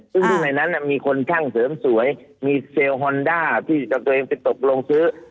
ซึ่งในนั้นมีคนช่างเสริมสวยมีเซลล์ฮอนด้าที่ตัวเองไปตกลงซื้อ